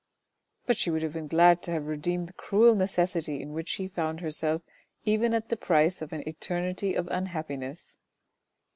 But she would have been glad to have redeemed the cruel necessity in which she found herself even at the price of an eternity of unhappiness.